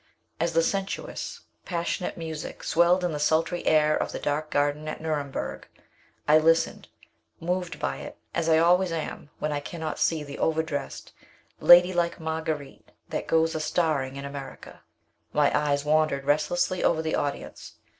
As the sensuous passionate music swelled in the sultry air of the dark garden at Nuremburg, I listened, moved by it as I always am when I cannot see the over dressed, lady like Marguerite that goes a starring in America. My eyes wandered restlessly over the audience.